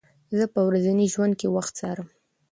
زه په ورځني ژوند کې وخت څارم.